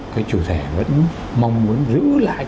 cái chủ rẻ vẫn mong muốn giữ lại